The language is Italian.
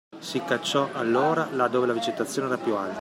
Si cacciò allora là dove la vegetazione era piú alta